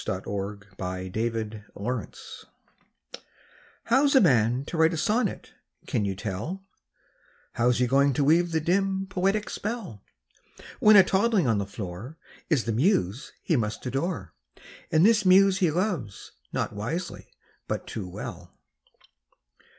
THE POET AND THE BABY How's a man to write a sonnet, can you tell, How's he going to weave the dim, poetic spell, When a toddling on the floor Is the muse he must adore, And this muse he loves, not wisely, but too well?